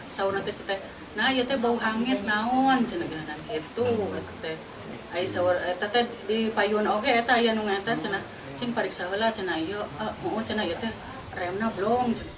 eh saudara kita naiknya bau hangit naon itu itu di payung oke tayangnya cinta dikisahkan ayo